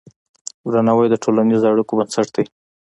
درناوی د ټولنیزو اړیکو بنسټ دی.